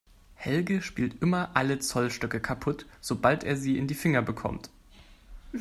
Helge spielt immer alle Zollstöcke kaputt, sobald er sie in die Finger bekommt.